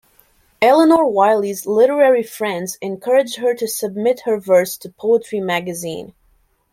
Elinor Wylie's literary friends encouraged her to submit her verse to "Poetry" magazine.